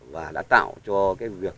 và đã tạo cho cái việc